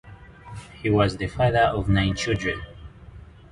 He was the father of nine children.